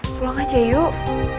pulang aja yuk